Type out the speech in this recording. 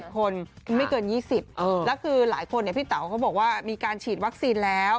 คนไม่เกิน๒๐แล้วคือหลายคนพี่เต๋าเขาบอกว่ามีการฉีดวัคซีนแล้ว